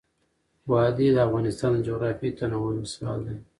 وادي د افغانستان د جغرافیوي تنوع مثال دی.